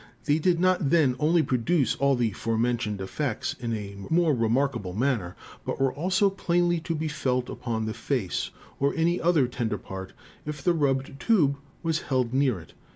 They did not then only produce all the forementioned Effects in a more remarkable man ner, but were also plainly to be felt upon the Face, or any other tender part, if the rubbed Tube was held near it.